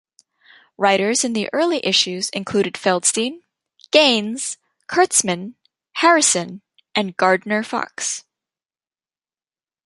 Writers in the early issues included Feldstein, Gaines, Kurtzman, Harrison and Gardner Fox.